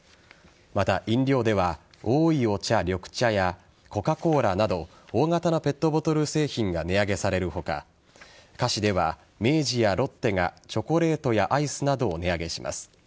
また、飲料ではおいお茶緑茶やコカ・コーラなど大型のペットボトル製品が値上げされる他菓子では明治やロッテがチョコレートやアイスなどを値上げします。